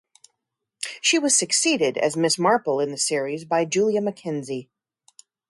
She was succeeded as Miss Marple in the series by Julia McKenzie.